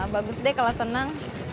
bagus deh kalau senang